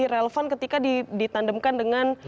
relevan ketika ditandemkan dengan